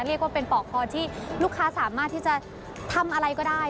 เรียกว่าเป็นปอกคอที่ลูกค้าสามารถที่จะทำอะไรก็ได้